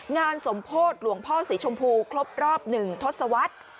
งานสมโพธิหลวงพ่อสีชมพูครบรอบ๑ทศวรรษ